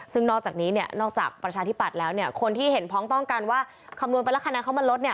ซึ่งนอกจากนี้เนี่ยเนี่ยนอกจากประชาธิบัตรแล้วคนที่เห็นพร้อมต้องการว่าคำนวณเป็นละคนนาเข้ามาลดเนี่ย